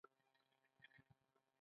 د سیکهانو مشران بې اتفاقه وه.